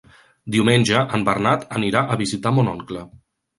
Diumenge en Bernat anirà a visitar mon oncle.